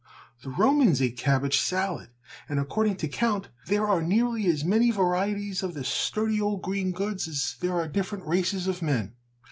The Romans ate cabbage salad, and, according to count, there are nearly as many varieties of this sturdy old green goods as there are different races of men.